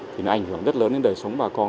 thì nó ảnh hưởng rất lớn đến đời sống bà con